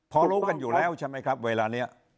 พอรู้กันอยู่แล้วใช่ไหมครับเวลานี้